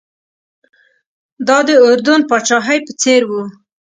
دا د اردن پاچاهۍ په څېر و.